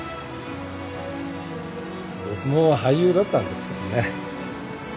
僕も俳優だったんですけどね。